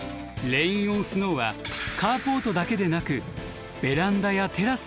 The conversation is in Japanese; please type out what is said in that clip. レイン・オン・スノーはカーポートだけでなくベランダやテラスなども注意が必要。